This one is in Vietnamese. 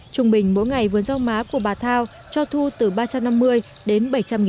trung bình mỗi ngày vườn rau má của bà thao cho thu từ ba trăm năm mươi đến bảy trăm linh nghìn đồng